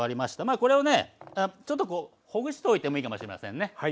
これをねちょっとこうほぐしておいてもいいかもしれませんね。